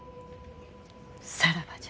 さらばじゃ。